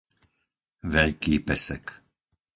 Veľký Pesek